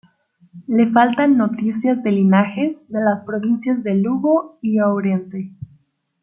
Le faltan noticias de linajes de las provincias de Lugo y Ourense.